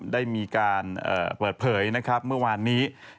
ได้มีการเปิดเผยเมื่อวานนี้